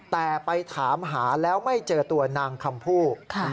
แต่ไปถามหาแล้วไม่เจอตัวนางคำพูด